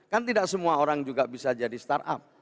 kan tidak semua orang juga bisa jadi startup